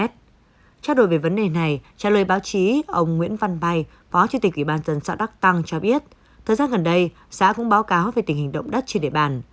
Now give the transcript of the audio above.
trao đổi về vấn đề này trả lời báo chí ông nguyễn văn bay phó chủ tịch ủy ban dân xã đắc tăng cho biết thời gian gần đây xã cũng báo cáo về tình hình động đất trên địa bàn